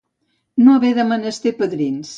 No haver de menester padrins.